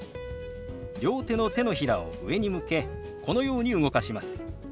両手の手のひらを上に向けこのように動かします。